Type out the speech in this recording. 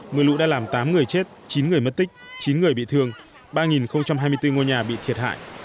mưa lũ đã làm tám người chết chín người mất tích chín người bị thương ba hai mươi bốn ngôi nhà bị thiệt hại